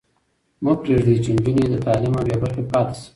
مه پرېږدئ چې نجونې له تعلیمه بې برخې پاتې شي.